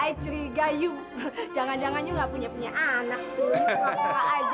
ayo curiga yu jangan jangan yu gak punya punya anak yu